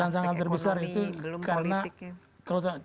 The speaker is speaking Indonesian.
tantangan terbesar itu karena